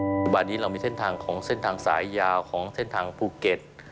ปัจจุบันนี้เรามีเส้นทางของเส้นทางสายยาวของเส้นทางภูเก็ต